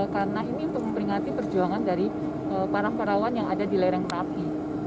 karena ini untuk memperingati perjuangan dari para warawan yang ada di lereng rapi